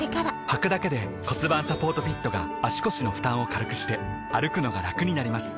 はくだけで骨盤サポートフィットが腰の負担を軽くして歩くのがラクになります